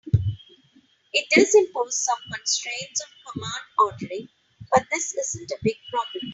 It does impose some constraints on command ordering, but this isn't a big problem.